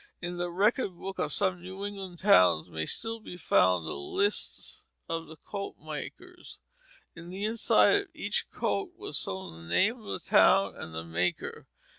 In the record book of some New England towns may still be found the lists of the coat makers. In the inside of each coat was sewed the name of the town and the maker.